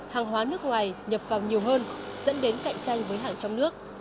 hàng hóa nước ngoài nhập vào nhiều hơn dẫn đến cạnh tranh với hàng trong nước